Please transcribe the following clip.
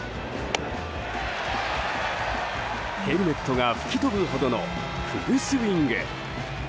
ヘルメットが吹き飛ぶほどのフルスイング。